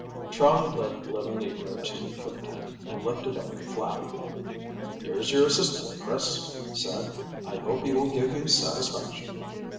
Charley led the little negro to the cook tent, and lifted up the flap. "Here's your assistant, Chris," he said. "I hope he will give you satisfaction."